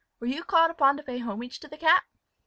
Were you called upon to pay homage to the cap?"